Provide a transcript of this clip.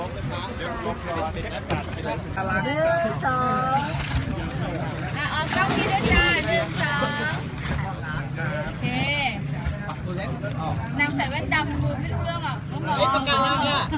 พี่พึ่งอาจไม่มีไม่ได้ที่ที่นี่